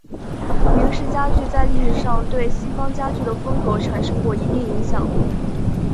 明式家具在历史上对西方家具的风格产生过一定影响。